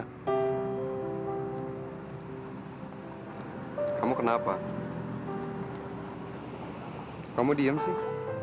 hai kamu kenapa kamu diem sih